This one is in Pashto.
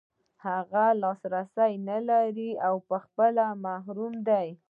هغه لاسرسی نلري او په خپله محروم دی.